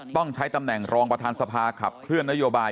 ต้องใช้ตำแหน่งรองประธานสภาขับเคลื่อนนโยบาย